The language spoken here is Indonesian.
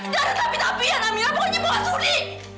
jangan tapi tapian amira pokoknya bu enggak sudi